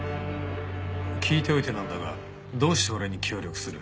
聞いておいてなんだがどうして俺に協力する？